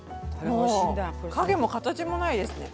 もう影も形もないですね